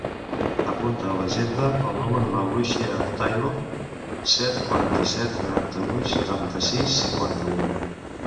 Apunta a l'agenda el número de l'Uxia Taylor: set, quaranta-set, noranta-vuit, setanta-sis, cinquanta-u.